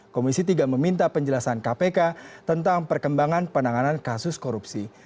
komisi tiga meminta penjelasan kpk tentang perkembangan penanganan kasus korupsi